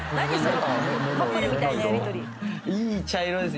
いい茶色です。